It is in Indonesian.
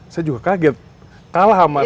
saya juga kaget kalah sama tim u dua puluh tiga